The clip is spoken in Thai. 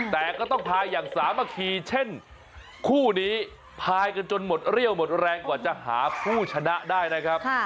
แต่ก็ต้องพาอย่างสามัคคีเช่นคู่นี้พายกันจนหมดเรี่ยวหมดแรงกว่าจะหาผู้ชนะได้นะครับ